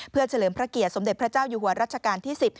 เพื่อเฉลิมพระเกียรติสมเด็จพระเจ้าอยู่หัวรัชกาลที่๑๐